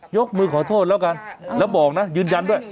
ยกมือขอโทษแล้วกันแล้วบอกนะยืนยันด้วย